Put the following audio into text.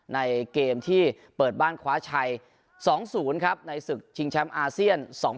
ในเกมที่เปิดบ้านคว้าชัย๒๐ครับในศึกชิงแชมป์อาเซียน๒๐